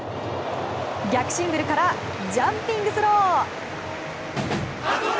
逆シングルからジャンピングスロー！